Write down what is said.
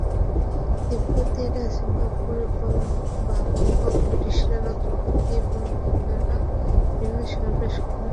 তিব্বতীরা Singapore বা Hong Kong, ব্রিটিশরা নতুন দিল্লি এবং চীনারা বেইজিং শহরকে সভার সম্ভাব্য আলোচনা স্থল হিসেবে মনোনয়ন করেন।